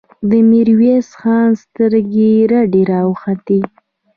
د ميرويس خان سترګې رډې راوختې.